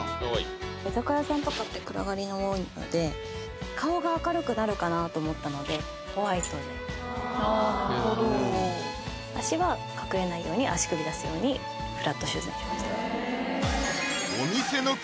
居酒屋さんとかって暗がりが多いので顔が明るくなるかなと思ったのでホワイトでようにフラットシューズにしました